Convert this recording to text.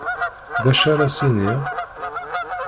D acu ara as-iniɣ?